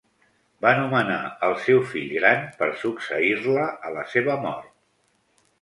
Va nomenar al seu fill gran per succeir-la a la seva mort.